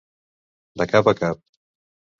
De cap a cap.